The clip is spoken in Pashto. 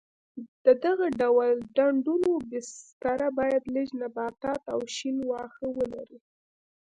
د دغه ډول ډنډونو بستره باید لږ نباتات او شین واښه ولري.